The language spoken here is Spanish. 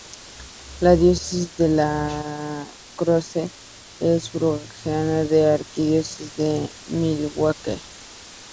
La Diócesis de La Crosse es sufragánea de la Arquidiócesis de Milwaukee.